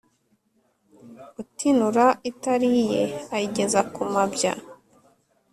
utinura itari -iye ayigeza ku mabya.